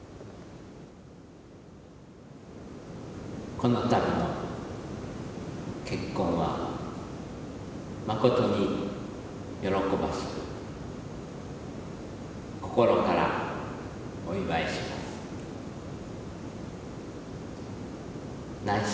このたびの結婚は、誠に喜ばしく、心からお祝いします。